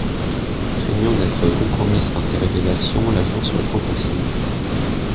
Craignant d’être compromise par ses révélations, l’Agence le prend pour cible.